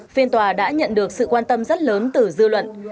phiên tòa đã nhận được sự quan tâm rất lớn từ dư luận